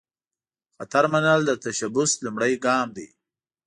خطر منل، د تشبث لومړۍ ګام دی.